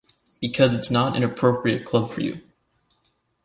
Because it's is not an appropriate club for you.